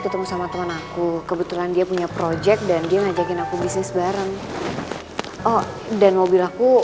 itu semua yang saya inginkan star di sini